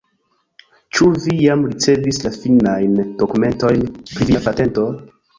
Ĉu vi jam ricevis la finajn dokumentojn pri via patento?